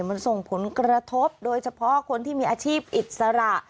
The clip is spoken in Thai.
มันส่งผลกระทบโดยเฉพาะคนที่มีอาชีพอิสระ